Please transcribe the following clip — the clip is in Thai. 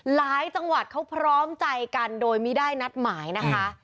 หลายจังหวัดเขาพร้อมใจกันโดยไม่ได้นัดหมายนะคะ